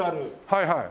はいはい。